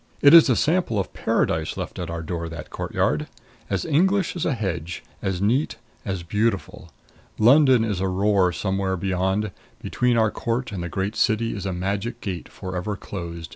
It is a sample of Paradise left at our door that courtyard. As English as a hedge, as neat, as beautiful. London is a roar somewhere beyond; between our court and the great city is a magic gate, forever closed.